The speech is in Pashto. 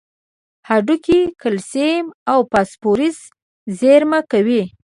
هډوکي کلسیم او فاسفورس زیرمه کوي.